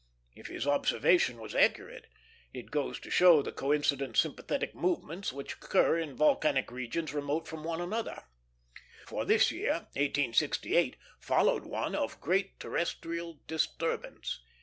If his observation was accurate, it goes to show the coincident sympathetic movements which occur in volcanic regions remote from one another; for this year, 1868, followed one of great terrestrial disturbance.